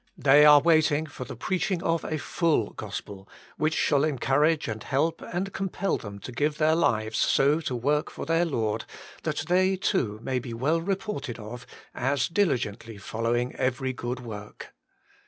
They are waiting for the preaching of a full gospel, which shall encourage and help and compel them to give their lives so to work for their Lord, that they, too, may be well reported of as diligently following every good work.